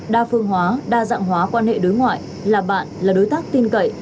đa phương hóa đa dạng hóa quan hệ đối ngoại là bạn là đối tác tin cậy